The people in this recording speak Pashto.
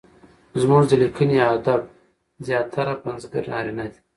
زموږ د ليکني ادب زياتره پنځګر نارينه دي؛